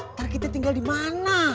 ntar kita tinggal dimana